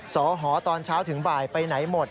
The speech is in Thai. สอหอตอนเช้าถึงบ่ายไปไหนหมด